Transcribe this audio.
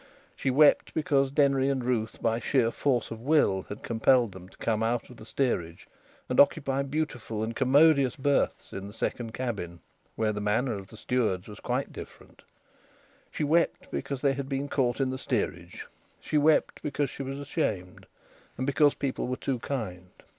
She wept because Denry and Ruth, by sheer force of will, had compelled them to come out of the steerage and occupy beautiful and commodious berths in the second cabin, where the manner of the stewards was quite different. She wept because they had been caught in the steerage. She wept because she was ashamed, and because people were too kind.